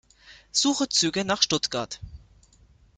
Suche Züge nach Stuttgart.